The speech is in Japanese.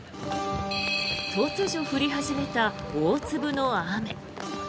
突如、降り始めた大粒の雨。